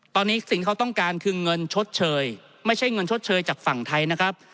ตอนนี้สิ่งเขาต้องการคือเงินชดเชยไม่ใช่เงินชดเชยจากฝั่งไทยนะครับ